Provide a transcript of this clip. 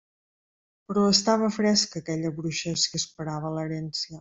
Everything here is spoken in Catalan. Però estava fresca aquella bruixa si esperava l'herència!